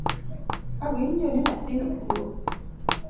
Awinjo ni nyathino tuo